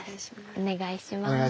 お願いします。